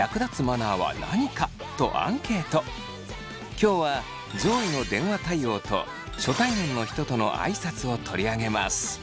今日は上位の「電話対応」と「初対面の人との挨拶」を取り上げます。